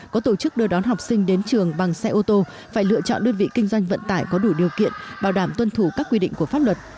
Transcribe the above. có tổ chức đưa đón học sinh đến trường bằng xe ô tô phải lựa chọn đơn vị kinh doanh vận tải có đủ điều kiện bảo đảm tuân thủ các quy định của pháp luật